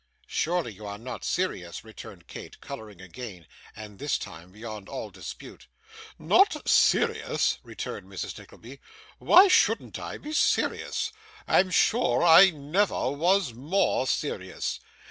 'Surely you are not serious,' returned Kate, colouring again; and this time beyond all dispute. 'Not serious!' returned Mrs. Nickleby; 'why shouldn't I be serious? I'm sure I never was more serious.